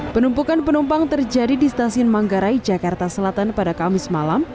penumpukan penumpang terjadi di stasiun manggarai jakarta selatan pada kamis malam